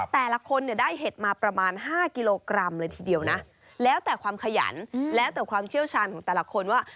แต่ละคนเนี่ยได้เห็ดมาประมาณ๕กิโลกรัมเลยทีเดียวนะแล้วแต่ความขยันแล้วแต่ความเชี่ยวชาญของแต่ละคนว่า